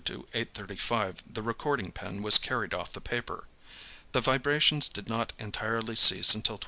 35 the recording pen was carried off the paper. The vibrations did not entirely cease until 12.